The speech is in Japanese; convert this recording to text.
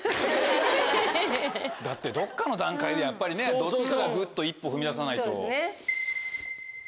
だってどっかの段階でやっぱりどっちかがグッと一歩踏み出さないと。